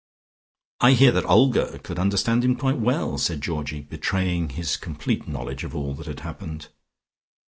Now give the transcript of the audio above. "I hear that Olga could understand him quite well," said Georgie betraying his complete knowledge of all that had happened.